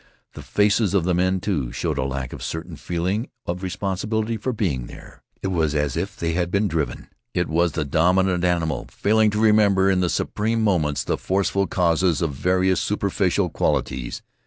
The faces of the men, too, showed a lack of a certain feeling of responsibility for being there. It was as if they had been driven. It was the dominant animal failing to remember in the supreme moments the forceful causes of various superficial qualities.